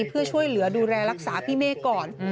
เพื่อช่วยเหลือดูแลรักษาพี่เมฆก่อน